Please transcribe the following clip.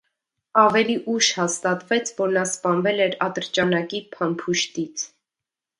Ավելի ուշ հաստատվեց, որ նա սպանվել էր ատրճանակի փամփուշտից։